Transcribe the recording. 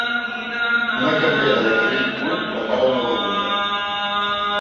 Una cambrera de cabell curt prepara una beguda.